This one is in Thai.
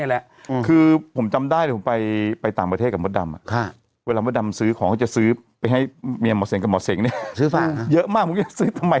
เยอะมากของมดดำซื้อซื้อของดี